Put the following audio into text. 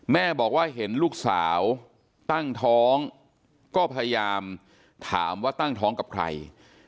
แม่บอกว่าเห็นลูกสาวตั้งท้องก็พยายามถามว่าตั้งท้องกับใคร